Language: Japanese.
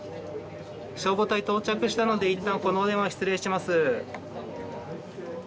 消防隊到着したので一旦このお電話失礼します